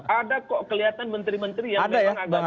ada kok kelihatan menteri menteri yang memang agak gede gitu